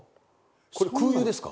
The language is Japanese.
これ空輸ですか？